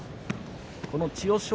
この千代翔